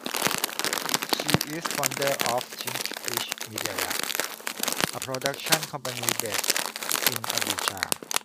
She is founder of Shrinkfish Media Lab, a production company based in Abuja.